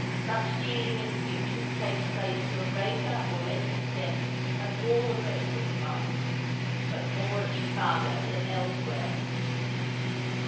Such dealing in futures takes place to a greater or less extent at all the great wheat markets, but more at Chicago than elsewhere.